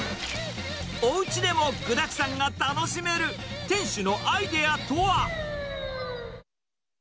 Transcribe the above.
おうちでも具だくさんが楽しめる、店主のアイデアとは。